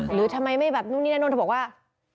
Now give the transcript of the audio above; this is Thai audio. หรือทำไมไม่แบบนู่นนี่นั่นนู่นเธอบอกว่า